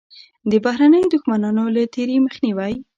د بهرنیو دښمنانو له تېري مخنیوی.